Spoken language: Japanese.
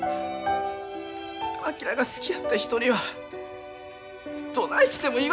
昭が好きやった人にはどないしても言われへん。